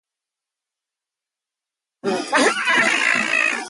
Fournier's records however do not mention whether or not Raimond was sentenced to die.